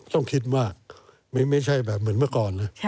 ต้องคิดว่าไม่ใช่แบบเหมือนเมื่อก่อนนะ